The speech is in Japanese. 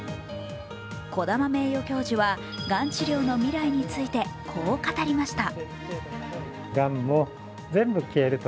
児玉名誉教授はがん治療の未来についてこう語りました。